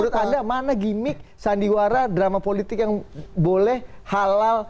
menurut anda mana gimmick sandiwara drama politik yang boleh halal